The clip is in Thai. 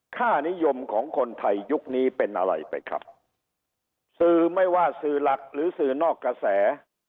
ค่านิยมของคนไทยยุคนี้เป็นอะไรไปครับสื่อไม่ว่าสื่อหลักหรือสื่อนอกกระแส